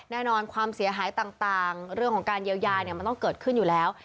แน่นอนความเสียหายต่างเรื่องของการเยียวยามันต้องเกิดขึ้นอยู่แล้ว